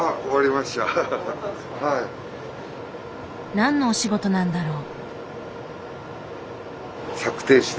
何のお仕事なんだろう？